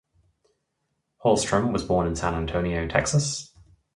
Hallstrom was born in San Antonio, Texas.